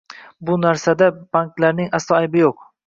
Bu narsada banklarning aslo aybi yo‘q.